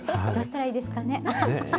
どうしたらいいですかね。